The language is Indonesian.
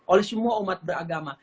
oleh semua umat beragama